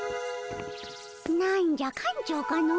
何じゃ館長かの。